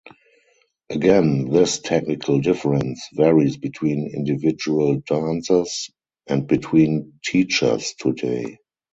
Again, this technical difference varies between individual dancers, and between teachers today.